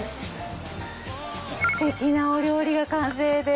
ステキなお料理が完成で。